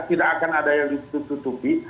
tidak akan ada yang ditutupi